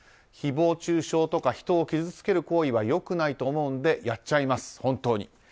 誹謗中傷とか人を傷つける行為は良くないと思うんでやっちゃいます、本当に。